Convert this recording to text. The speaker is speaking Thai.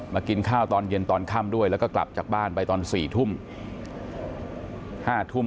มากินข้าวตอนเย็นตอนค่ำด้วยแล้วก็กลับจากบ้านไปตอน๑๖๐๐น